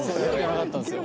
「なかったんですよ」